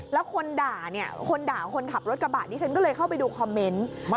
แล้วคนด่าคนขับรถกระบะนี้เซ็นก็เลยเข้าไปดูคอมเมนต์